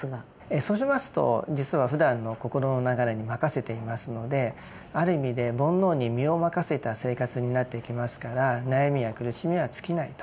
そうしますと実はふだんの心の流れに任せていますのである意味で煩悩に身を任せた生活になっていきますから悩みや苦しみは尽きないと。